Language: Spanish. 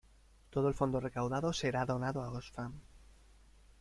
Todo el fondo recaudado será donado a Oxfam.